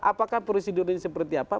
apakah prosedur ini seperti apa